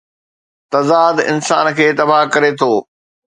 تضاد انسان کي تباهه ڪري ٿو.